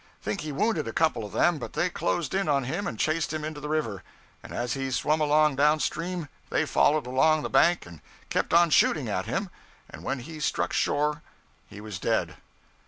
Think he wounded a couple of them; but they closed in on him and chased him into the river; and as he swum along down stream, they followed along the bank and kept on shooting at him; and when he struck shore he was dead.